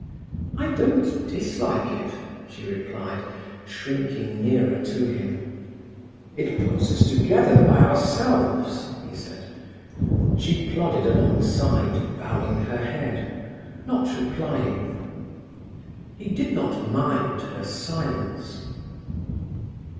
"I don't dislike it," she replied, shrinking nearer to him. "It puts us together by ourselves," he said. She plodded alongside, bowing her head, not replying. He did not mind her silence.